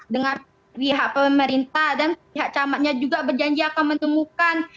dengan pihak pemerintah dan pihak camatnya juga berjanji akan menemukan